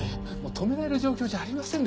止められる状況じゃありませんでした。